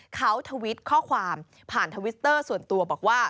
เขาทวิตข้อความผ่านทวิตเตอร์ส่วนตัวบอกว่า